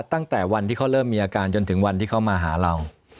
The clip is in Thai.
ตั้งแต่วันที่เขาเริ่มมีอาการจนถึงวันที่เขามาหาเรา